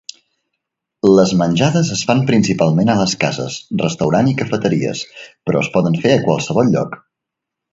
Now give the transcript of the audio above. Les menjades es fan principalment a les cases, restaurant i cafeteries, però es poden fer a qualsevol lloc.